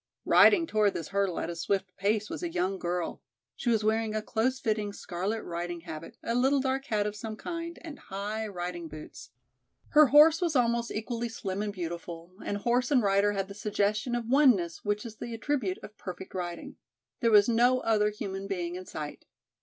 Riding toward this hurdle at a swift pace was a young girl; she was wearing a close fitting, scarlet riding habit, a little dark hat of some kind and high riding boots. Her horse was almost equally slim and beautiful, and horse and rider had the suggestion of oneness which is the attribute of perfect riding. There was no other human being in sight.